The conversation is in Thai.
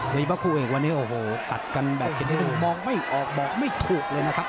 วีบัตรคู่เอกวันนี้โอ้โหกัดกันแบบเฉยมองไม่ออกบอกไม่ถูกเลยนะครับ